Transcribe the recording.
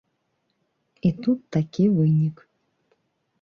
І тут такі вынік.